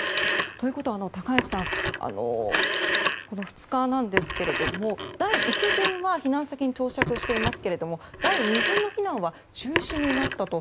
ということは、高橋さんこの２日なんですけど第１陣は避難先に到着していますが、第２陣の避難は中止になったと。